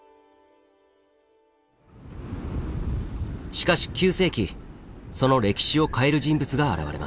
しかし９世紀その歴史を変える人物が現れます。